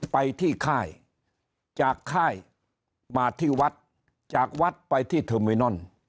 ไปที่ค่ายจากค่ายมาที่วัดจากวัดไปที่เทอร์มินอน